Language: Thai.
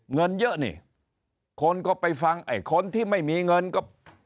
เงินเยอะนี่คนก็ไปฟังไอ้คนที่ไม่มีเงินก็